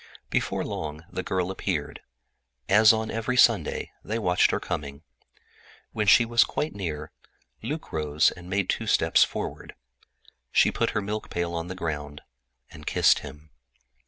Before long the girl appeared. As on every Sunday, they watched her coming. When she was quite near, Luc rose and made two steps forward. She put her milk pail on the ground and kissed him.